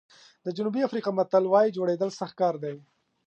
د جنوبي افریقا متل وایي جوړېدل سخت کار دی.